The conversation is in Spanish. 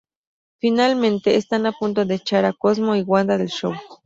Finalmente, están a punto de echar a Cosmo y Wanda del show.